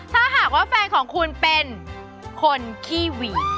ถ้าหากว่าแฟนของคุณเป็นคนขี้หวีด